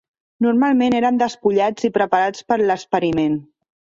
Normalment eren despullats i preparats per a l'experiment.